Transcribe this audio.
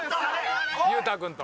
裕太君と。